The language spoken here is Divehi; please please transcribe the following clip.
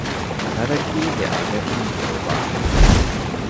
ތަރައްގީގެ އަގަކީ ކޮބާ؟